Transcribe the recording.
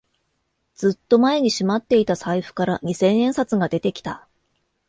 ずっと前にしまっていた財布から二千円札が出てきた